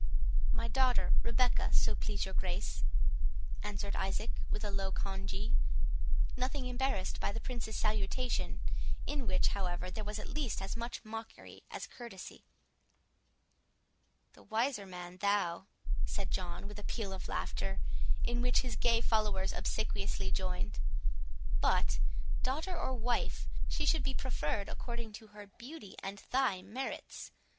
"My daughter Rebecca, so please your Grace," answered Isaac, with a low congee, nothing embarrassed by the Prince's salutation, in which, however, there was at least as much mockery as courtesy. "The wiser man thou," said John, with a peal of laughter, in which his gay followers obsequiously joined. "But, daughter or wife, she should be preferred according to her beauty and thy merits.